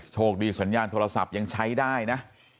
โชคดีสัญญาณโทรศัพท์ยังใช้ได้นะ